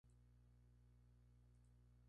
Monet logró exponer algunas en el Salón de París.